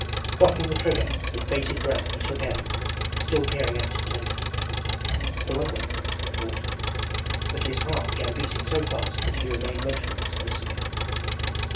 Cocking the trigger, with bated breath he took aim, still peering out intently. 'I won't wake them,' he thought. But his heart began beating so fast that he remained motionless, listening.